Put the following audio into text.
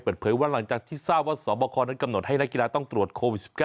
เปิดเผยว่าหลังจากที่ทราบว่าสบคนั้นกำหนดให้นักกีฬาต้องตรวจโควิด๑๙